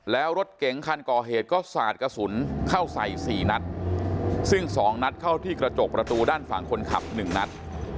แล้วรถเก๋งคันก่อเหตุก็สาดกระสุนเข้าใส่๔นัดซึ่ง๒นัดเข้าที่กระจกประตูด้านฝั่งคนขับ๑นัด